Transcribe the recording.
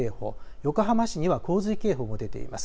横浜市には洪水警報も出ています。